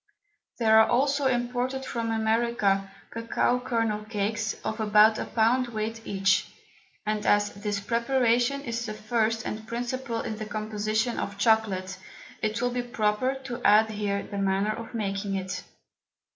There are also imported from America, Cocao Kernel Cakes of about a Pound weight each; and as this Preparation is the first and principal in the Composition of Chocolate, it will be proper to add here the Manner of making it.